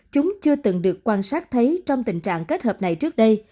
chúng chưa từng được quan sát thấy trong tình trạng kết hợp này trước đây